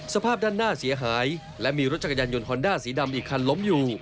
สภาพด้านหน้าเสียหายและมีรถจักรยานยนต์ฮอนด้าสีดำอีกคันล้มอยู่